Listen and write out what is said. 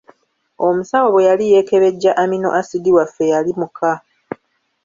Omusawo bwe yali yeekebejja amino asidi waffe yali muka.